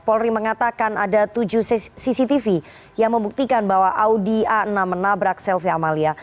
polri mengatakan ada tujuh cctv yang membuktikan bahwa audi a enam menabrak selvi amalia